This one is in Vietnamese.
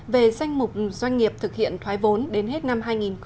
về danh mục doanh nghiệp thực hiện thoái vốn đến hết năm hai nghìn hai mươi